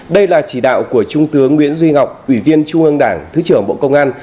đây là chỉ đạo của trung tướng nguyễn duy ngọc ủy viên trung ương đảng thứ trưởng bộ công an